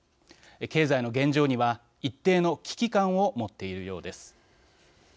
経済の現状には一定の危機感を持っているようです。